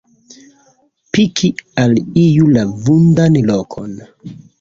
Piki al iu la vundan lokon.